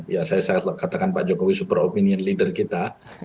ya saya katakan pak jokowi super opinion leader kita